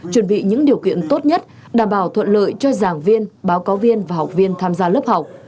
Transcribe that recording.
chuẩn bị những điều kiện tốt nhất đảm bảo thuận lợi cho giảng viên báo cáo viên và học viên tham gia lớp học